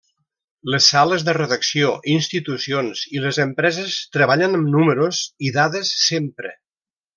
Les sales de redacció, institucions i les empreses treballen amb números i dades sempre.